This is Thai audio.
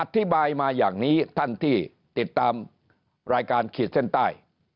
อธิบายมาอย่างนี้ท่านที่ติดตามรายการขีดเส้นใต้